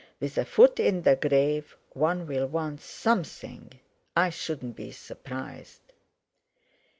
With a foot in the grave one'll want something, I shouldn't be surprised!"